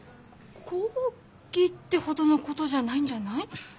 抗議ってほどのことじゃないんじゃない？